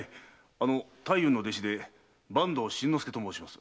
あの太夫の弟子で坂東新之助と申します。